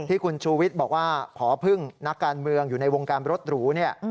ที่คุณชูวิทย์บอกว่าพอพึ่งนักการเมืองอยู่ในวงการรถหรูเนี่ย